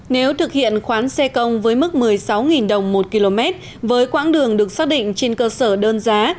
nếu thực hiện khoán xe công với mức một mươi sáu đồng một km với quãng đường được xác định trên cơ sở đơn giá